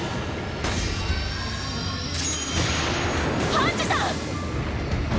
ハンジさん！！